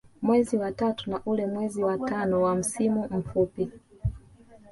Mwezi wa tatu na ule mwezi wa Tano na msimu mfupi